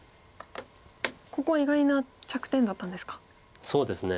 ここ意外な着点だったんですか。